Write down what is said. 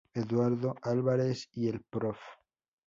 Eduardo Álvarez y el Prof.